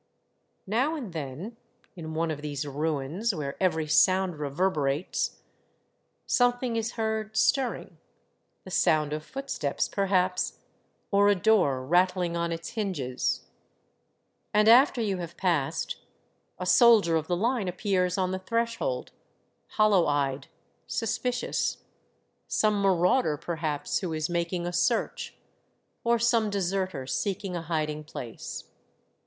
Now and then, in one of these ruins where every sound reverberates, something is heard stirring, the sound of footsteps perhaps, or a door rattHng on At the Outposts, 95 its hinges ; and after you have passed, a soldier of the line appears on the threshold, hollow eyed, suspicious, — some marauder perhaps, who is mak ing a search, or some deserter seeking a hiding place.